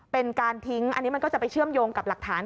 เป็นการทิ้งอันนี้มันก็จะไปเชื่อมโยงกับหลักฐาน